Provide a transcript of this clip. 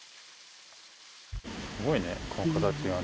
すごいね、この形がね。